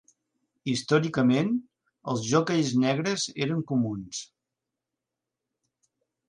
Històricament, els jockeys negres eren comuns.